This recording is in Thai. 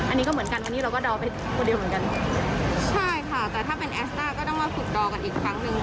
อันนี้ก็เหมือนกันวันนี้เราก็เดาไปคนเดียวเหมือนกันใช่ค่ะแต่ถ้าเป็นแอสต้าก็ต้องมาฝึกดอกันอีกครั้งหนึ่ง